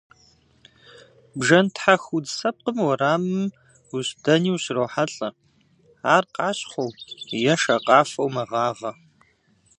Бжэнтхьэху удз лъэпкъым уэрамым дэни ущрохьэлӏэ, ар къащхъуэу е шакъафэу мэгъагъэ.